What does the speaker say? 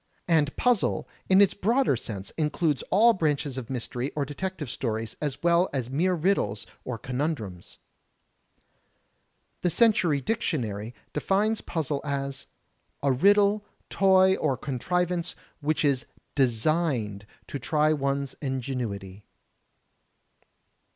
And puzzle, in its broader sense includes all branches of mystery or detective stories as well as mere riddles or conun drums. The Century Dictionary defines puzzle as "A riddle, toy or contrivance which is designed to try one's ingenuity."